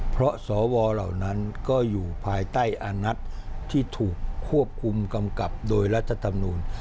เพราะสวเหล่านั้นก็อยู่ภายใต้อานัทที่ถูกควบคุมกำกับโดยรัฐธรรมนูล